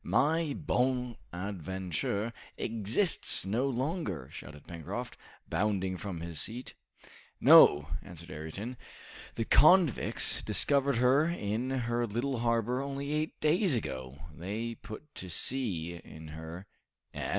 "My 'Bonadventure' exists no longer!" shouted Pencroft, bounding from his seat. "No," answered Ayrton. "The convicts discovered her in her little harbor only eight days ago, they put to sea in her " "And?"